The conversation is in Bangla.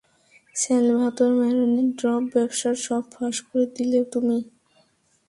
স্যালভ্যাতোর ম্যারোনির ড্রপ ব্যবসার সব ফাঁস করে দিলে তুমি।